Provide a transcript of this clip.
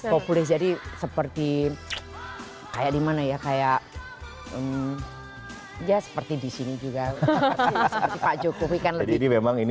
populis jadi seperti kayak dimana ya kayak ya seperti di sini juga seperti pak jokowi kan lebih memang ini